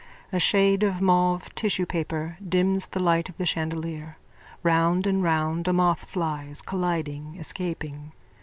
A shade of mauve tissuepaper dims the light of the chandelier. Round and round a moth flies, colliding, escaping.